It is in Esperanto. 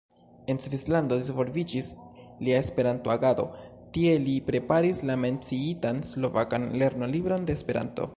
En Svislando disvolviĝis lia Esperanto-agado, tie li preparis la menciitan slovakan lernolibron de Esperanto.